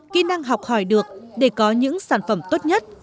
kỹ năng học hỏi được để có những sản phẩm tốt nhất